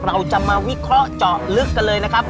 เราจะมาวิเคราะห์เจาะลึกกันเลยนะครับ